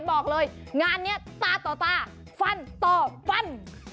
บอกเลยงานนี้ตาต่อตาฟันต่อฟัน